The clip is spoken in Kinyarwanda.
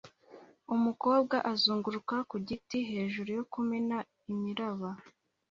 Umukobwa azunguruka ku giti hejuru yo kumena imiraba